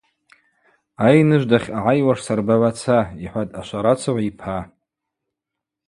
Айныжв дахьъагӏайуаш сырбагӏваца, – йхӏватӏ ашварацыгӏв йпа.